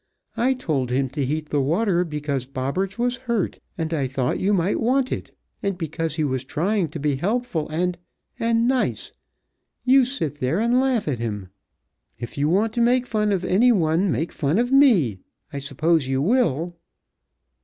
I told him to heat the water, because Bobberts was hurt, and I thought you might want it, and because he was trying to be helpful and and nice, you sit there and laugh at him. If you want to make fun of anyone, make fun of me! I suppose you will!"